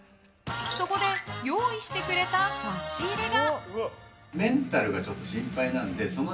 そこで用意してくれた差し入れが。